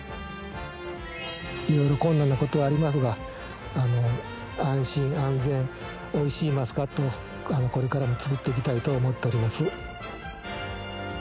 いろいろ困難なことはありますが安心安全おいしいマスカットをこれからも作っていきたいと思っております。